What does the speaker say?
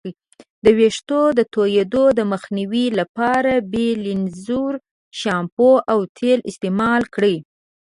د ویښتانو د توییدو د مخنیوي لپاره بیلینزر شامپو او تیل استعمال کړئ.